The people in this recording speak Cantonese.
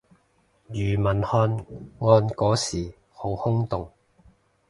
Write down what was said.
庾文翰案嗰時都好轟動